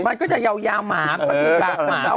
มันก็จะยาวหมาเออ